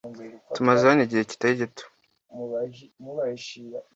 Tumaze hano igihe kitari gito.